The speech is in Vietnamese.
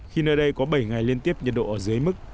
khi nơi đây có bảy ngày liên tiếp nhiệt độ ở dưới mức